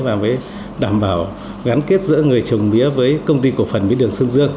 và mới đảm bảo gắn kết giữa người trồng mía với công ty cổ phần mía đường sơn dương